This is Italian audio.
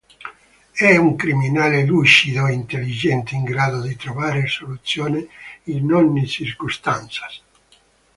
È un criminale lucido e intelligente in grado di trovare soluzioni in ogni circostanza.